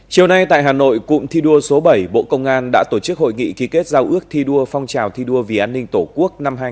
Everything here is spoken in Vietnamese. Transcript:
chiều nay tại hà nội cụm thi đua số bảy bộ công an đã tổ chức hội nghị ký kết giao ước thi đua phong trào thi đua vì an ninh tổ quốc năm hai nghìn hai mươi bốn